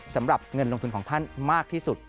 สำหรับเงินลงทุนของท่านมากที่สุด